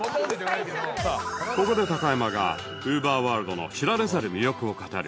ここで高山が ＵＶＥＲｗｏｒｌｄ の知られざる魅力を語る